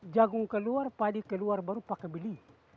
jagung keluar padi keluar baru pakai beli